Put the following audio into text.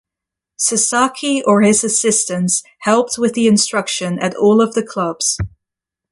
Sasaki or his assistants helped with the instruction at all of the clubs.